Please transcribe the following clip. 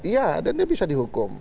iya dan dia bisa dihukum